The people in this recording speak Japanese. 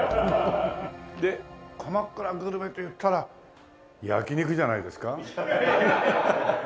で鎌倉グルメといったら焼肉じゃないですか？